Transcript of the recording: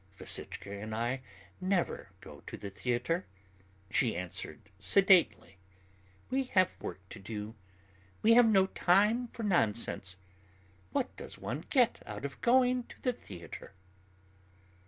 "Vasichka and I never go to the theatre," she answered sedately. "We have work to do, we have no time for nonsense. What does one get out of going to theatre?"